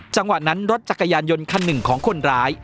จังหวะนั้นรถจักรยานยนต์คันหนึ่งของคนร้าย